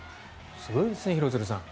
すごいですね、廣津留さん。